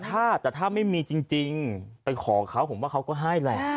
ถ้าแต่ถ้าไม่มีจริงไปขอเขาผมว่าเขาก็ให้แหละ